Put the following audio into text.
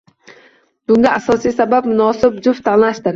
Bunga asosiy sabab, munosib juft tanlashdir.